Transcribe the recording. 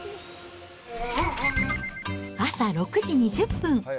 朝６時２０分。